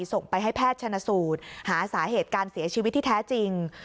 ส่งไปให้แพทย์ชนสูตรหาสาเหตุการเสียชีวิตที่แท้จริง